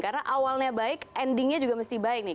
karena awalnya baik endingnya juga mesti baik nih